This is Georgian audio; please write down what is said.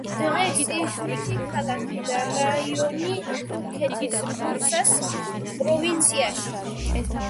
დღეს იზნიქი, ქალაქი და რაიონი თურქეთის ბურსას პროვინციაში.